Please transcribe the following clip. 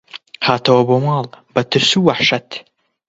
هاتەوە بۆ ماڵ بە ترس و وەحشەت